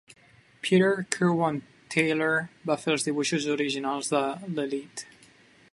Peter Kirwan-Taylor va fer els dibuixos originals de l'Elite.